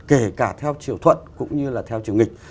kể cả theo chiều thuận cũng như là theo chiều nghịch